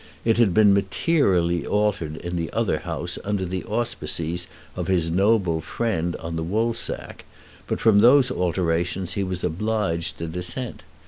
It had been materially altered in the other House under the auspices of his noble friend on the woolsack, but from those alterations he was obliged to dissent.